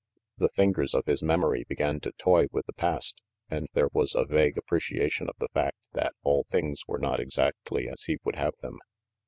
The fingers of his memory began to toy with the past, and there was a vague appreciation of the fact that all things were not exactly as he would have them.